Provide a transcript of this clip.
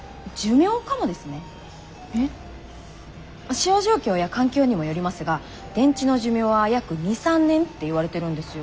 使用状況や環境にもよりますが電池の寿命は約２３年っていわれてるんですよ。